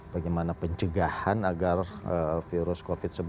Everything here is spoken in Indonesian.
bagaimana pencegahan agar virus covid sebelas ini tidak terjadi